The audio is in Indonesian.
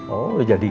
oh udah jadi